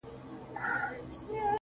هغه مي سايلينټ سوي زړه ته~